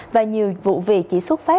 và nhiều vụ việc chỉ xuất phát